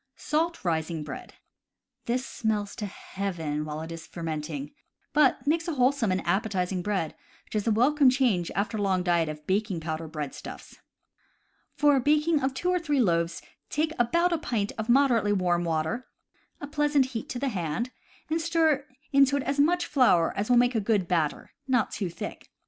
Salt rising Bread. — This smells to heaven while it is fermenting, but makes wholesome and appetizing bread, which is a welcome change after a long diet of baking powder breadstuffs. For a baking of two or three loaves take about a pint of moderately warm water (a pleasant heat to the hand) and stir into it as much flour as will make a good batter, not too thick.